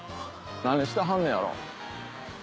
何してはんねやろ？